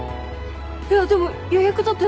いやでも予約取ってないって。